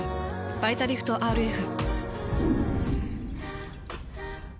「バイタリフトＲＦ」。